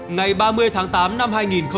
ngày ba mươi tháng tám năm hai nghìn hai mươi ba